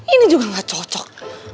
ini juga gak cocok